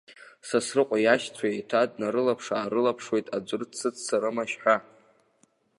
Сасрыҟәа иашьцәа еиҭа днарылаԥш-аарылаԥшуеит аӡәыр дсыццарымашь ҳәа.